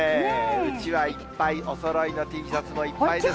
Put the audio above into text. うちわいっぱい、おそろいのＴシャツもいっぱいですね。